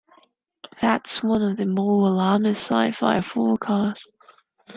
That's one of the more alarmist sci-fi forecasts.